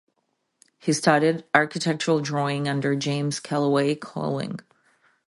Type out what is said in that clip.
He studied architectural drawing under James Kellaway Colling.